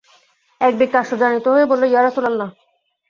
এক ব্যক্তি আশ্চর্যান্বিত হয়ে বলল, ইয়া রাসূলাল্লাহ!